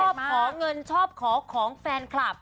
ขอเงินชอบขอของแฟนคลับ